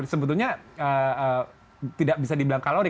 sebetulnya tidak bisa dibilang kalori